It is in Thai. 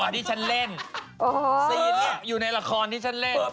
เขาเลยกัน